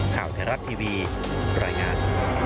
ข่าวเทราะต์ทีวีรายงาน